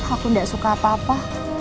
aku gak suka apa apa